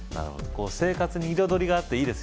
生活に彩りがあっていいですよね